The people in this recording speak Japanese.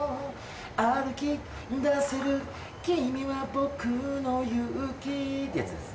「歩き出せる君は僕の勇気」ってやつです。